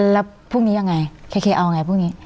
แล้วพรุ่งนี้ยังไงเคเอาไงพรุ่งนี้